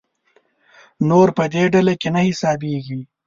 نور په دې ډله کې نه حسابېږي.